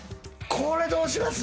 これどうします？